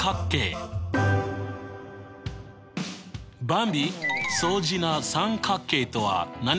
ばんび相似な三角形とは何か？